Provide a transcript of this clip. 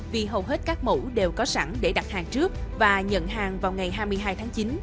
vì hầu hết các mẫu đều có sẵn để đặt hàng trước và nhận hàng vào ngày hai mươi hai tháng chín